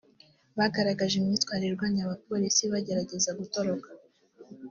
bagaragaje imyitwarire irwanya abapolisi bagerageza gutoroka